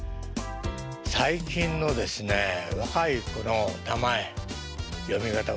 最近のですね若い子の名前読み方難しいですよね。